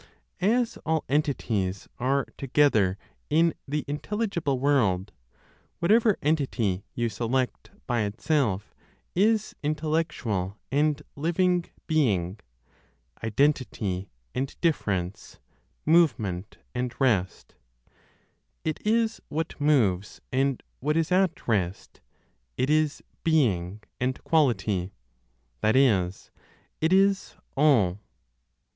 As all entities are together in the intelligible world, whatever entity you select (by itself) is intellectual and living "being," identity and difference, movement and rest; it is what moves, and what is at rest; it is "being," and quality; that is, it is all.